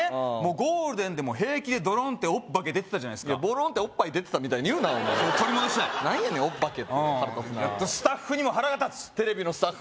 ゴールデンでも平気でドロンってオッバケ出てたじゃないですかボロンってオッパイ出てたみたいに言うな取り戻したい何やねんオッバケって腹立つなスタッフにも腹が立つテレビのスタッフ？